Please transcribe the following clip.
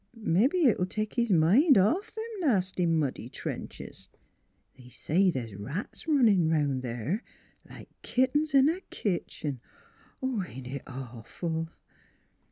Mebbe it '11 take his mind off them nasty muddy trenches. ... They say NEIGHBORS 177 the's rats runnin' 'round there, like kittens in a kitchen; ain't it awful!